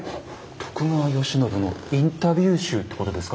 徳川慶喜のインタビュー集ってことですか？